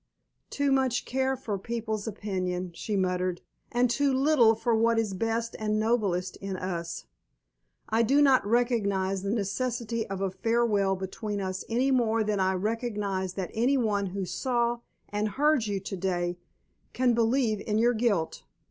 "Too much care for people's opinion," she murmured, "and too little for what is best and noblest in us. I do not recognise the necessity of a farewell between us any more than I recognise that anyone who saw and heard you to day can believe in your guilt."